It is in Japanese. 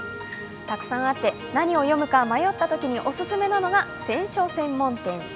たくさんあって、何を読むか迷ったときにオススメなのが選書専門店。